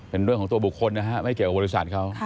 เป็นเรื่องของตัวบุคคลนะฮะไม่เกี่ยวกับบริษัทเขา